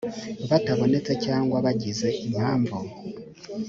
batabonetse cyangwa bagize impamvu